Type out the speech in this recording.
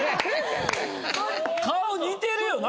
顔似てるよな！？